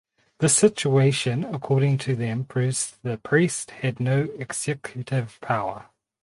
This situation according to them proves that the priest had no executive power.